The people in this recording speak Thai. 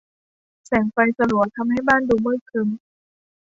แสงไฟสลัวทำให้บ้านดูมืดครึ้ม